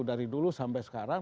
dari dulu sampai sekarang